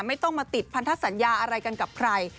ไม่ต้องมาติดพันธสัญญาอะไรกันกับใคร